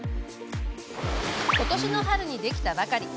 今年の春にできたばかり。